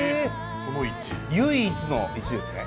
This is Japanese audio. この「１」唯一の「１」ですね。